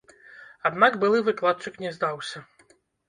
Аднак былы выкладчык не здаўся.